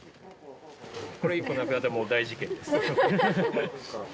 これ一個なくなったらもう大事件です